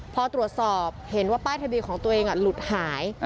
พอตรวจสอบเห็นว่าป้ายทะเบียนของตัวเองหลุดหาย